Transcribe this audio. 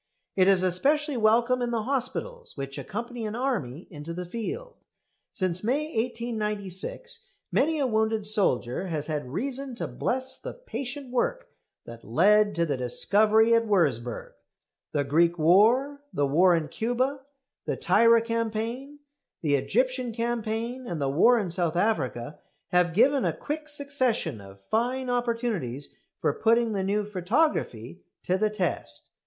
It is especially welcome in the hospitals which accompany an army into the field. Since May 1896 many a wounded soldier has had reason to bless the patient work that led to the discovery at Würzburg. The Greek war, the war in Cuba, the Tirah campaign, the Egyptian campaign, and the war in South Africa, have given a quick succession of fine opportunities for putting the new photography to the test.